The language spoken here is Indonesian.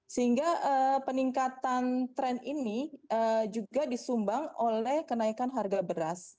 sehingga peningkatan tren ini juga disumbang oleh kenaikan harga beras